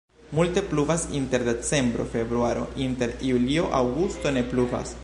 Multe pluvas inter decembro-februaro, inter julio-aŭgusto ne pluvas.